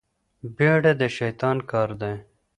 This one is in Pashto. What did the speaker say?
بيړه د شيطان کار دی.